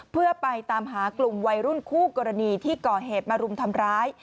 เพื่อไปตามหากลุ่มวัยรุ่นคู่กรณีที่ก่อเหตุมารุมทำร้าย